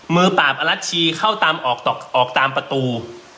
มือปาบอรัชชีเข้าตามออกต่อออกตามประตู